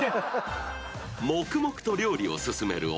［黙々と料理を進める岡村］